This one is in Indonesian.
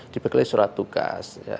dibekali surat tugas